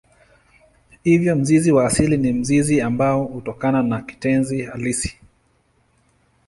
Hivyo mzizi wa asili ni mzizi ambao hutokana na kitenzi halisi.